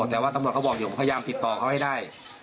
แต่ว่าตำรวจเขาบอกอยู่พยายามติดต่อเขาให้ได้